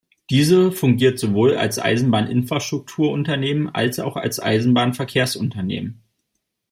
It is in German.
Diese fungiert sowohl als Eisenbahninfrastrukturunternehmen als auch als Eisenbahnverkehrsunternehmen.